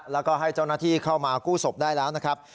แล้วก็ให้เจ้าหน้าที่เข้ามากู้ศพได้แล้วนะครับ